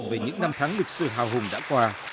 về những năm tháng lịch sử hào hùng đã qua